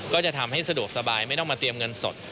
ก็จะทำให้สะดวกสบายไม่ต้องมาเตรียมเงินสด